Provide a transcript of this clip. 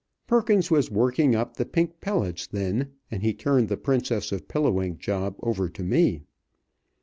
Perkins was working up the Pink Pellets then, and he turned the Princess of Pilliwink job over to me.